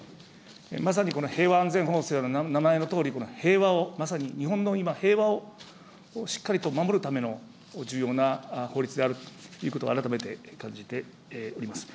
まさにこの平和安全法制の名前のとおり、平和を、日本の平和をしっかりと守るための重要な法律であるということを、改めて感じております。